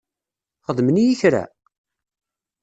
Xedmen-iyi kra?